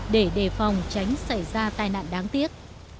để đề phòng tránh xảy ra tai nạn đáng tiếc